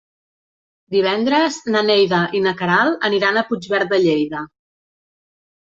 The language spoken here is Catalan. Divendres na Neida i na Queralt aniran a Puigverd de Lleida.